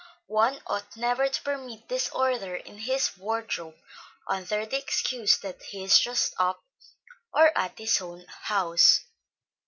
One ought never to permit disorder in his wardrobe under the excuse that he is just up, or at his own house.